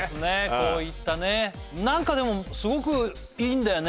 こういったねなんかでもすごくいいんだよね